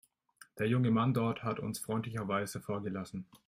Der junge Mann dort hat uns freundlicherweise vorgelassen.